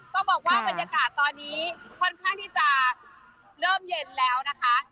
ต้องบอกว่าบรรยากาศตอนนี้ค่อนข้างที่จะเริ่มเย็นแล้วนะคะ